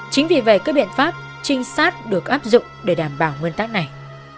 chính vì vậy các biện pháp trinh sát được áp dụng để đảm bảo nguyên tắc này